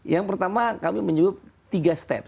yang pertama kami menyebut tiga step